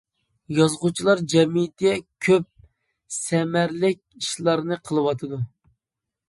يازغۇچىلار جەمئىيىتى كۆپ سەمەرىلىك ئىشلارنى قىلىۋاتىدۇ.